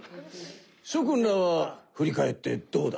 しょ君らはふり返ってどうだ？